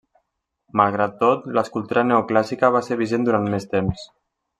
Malgrat tot, l'escultura neoclàssica va ser vigent durant més temps.